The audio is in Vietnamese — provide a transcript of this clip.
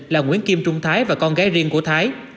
là nguyễn kim trung thái và con gái riêng của thái